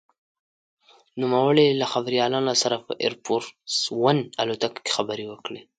نوموړي له خبریالانو سره په «اېر فورس ون» الوتکه کې خبرې وکړې.